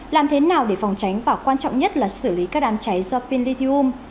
làm thế nào để phòng tránh và quan trọng nhất là xử lý các đám cháy do pin lithium